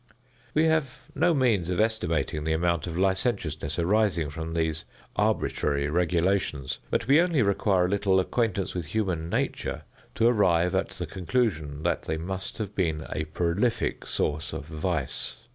We have no means of estimating the amount of licentiousness arising from these arbitrary regulations, but we only require a little acquaintance with human nature to arrive at the conclusion that they must have been a prolific source of vice.